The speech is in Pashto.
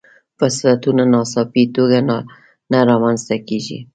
فرصتونه ناڅاپي توګه نه رامنځته کېږي.